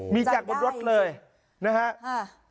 มีจากบทรัศน์เลยนะครับ